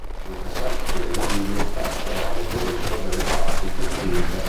Nei passaggi televisivi è stato però alleggerito delle parti più spinte.